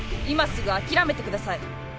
今すぐ諦めてください